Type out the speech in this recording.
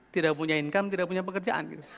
tidak punya income tidak punya pekerjaan gitu